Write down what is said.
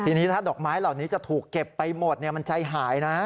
ทีนี้ถ้าดอกไม้เหล่านี้จะถูกเก็บไปหมดมันใจหายนะ